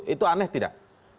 itu aneh tidak